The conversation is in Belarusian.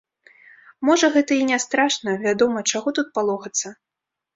Можа, гэта і не страшна, вядома, чаго тут палохацца?